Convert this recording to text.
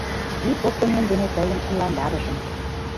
Вӱд оптымем ден тыйым иландарышым.